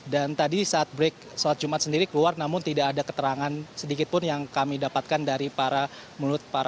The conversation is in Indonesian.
dan tadi saat break saat jumat sendiri keluar namun tidak ada keterangan sedikit pun yang kami dapatkan dari para menurut